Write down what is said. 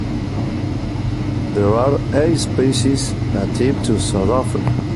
There are eight species native to South Africa.